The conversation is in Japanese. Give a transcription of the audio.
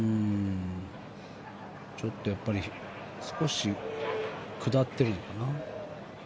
ちょっと少し下ってるのかな。